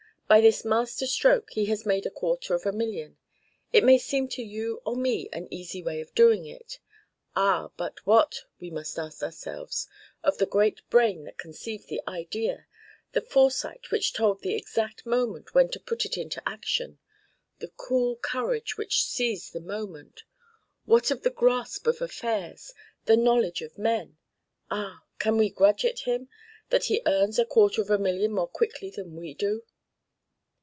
By this master stroke he has made a quarter of a million. It may seem to you or me an easy way of doing it. Ah, but what, we must ask ourselves, of the great brain that conceived the idea, the foresight which told the exact moment when to put it into action, the cool courage which seized the moment what of the grasp of affairs, the knowledge of men? Ah! Can we grudge it him, that he earns a quarter of a million more quickly than we do?